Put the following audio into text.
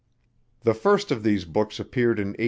The first of these books appeared in 1825.